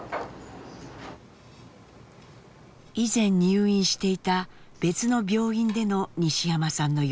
以前入院していた別の病院での西山さんの様子です。